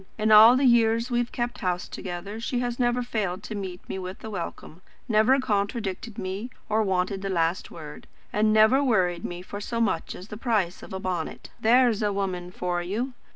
In all the years we've kept house together she has never failed to meet me with a welcome, never contradicted me or wanted the last word, and never worried me for so much as the price of a bonnet. There's a woman for you!